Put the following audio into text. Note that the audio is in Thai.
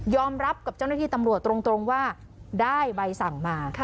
รับกับเจ้าหน้าที่ตำรวจตรงว่าได้ใบสั่งมา